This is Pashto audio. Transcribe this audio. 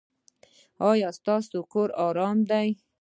ایا ستاسو کور ارام دی؟